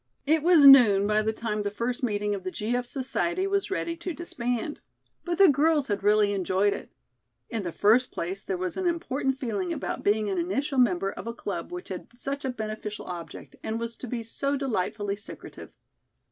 It was noon by the time the first meeting of the G. F. Society was ready to disband. But the girls had really enjoyed it. In the first place, there was an important feeling about being an initial member of a club which had such a beneficial object, and was to be so delightfully secretive.